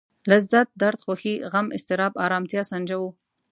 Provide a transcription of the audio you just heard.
لذت درد خوښي غم اضطراب ارامتيا سنجوو.